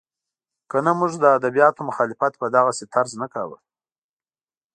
که نه مو د ادبیاتو مخالفت په دغسې طرز نه کاوه.